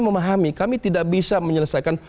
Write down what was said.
memahami kami tidak bisa menyelesaikan